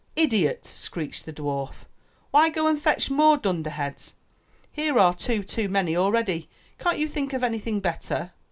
''Idiot!" screeched the dwarf. ''Why go and fetch more dunderheads? Here are two too many already! Can't you think of anything better?"